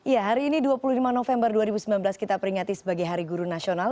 ya hari ini dua puluh lima november dua ribu sembilan belas kita peringati sebagai hari guru nasional